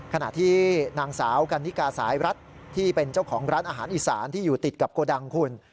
ขณะที่นางสาวกันนิกาสายรัฐที่เป็นเจ้าของร้านอาหารอีสานที่อยู่ติดกับโกดังคุณ